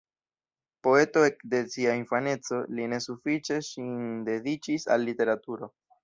Poeto ekde sia infaneco, li ne sufiĉe sin dediĉis al literaturo.